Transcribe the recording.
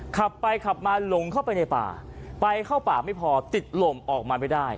ขับไปขับมาหลงเข้าไปในป่าไปเข้าป่าไม่พอติดลมออกมาไม่ได้